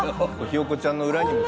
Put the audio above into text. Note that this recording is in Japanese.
ひよこちゃんの裏にも。